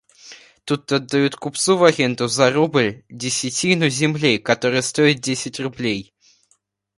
Тут отдают купцу в аренду за рубль десятину земли, которая стоит десять рублей.